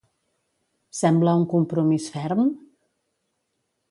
Sembla un compromís ferm?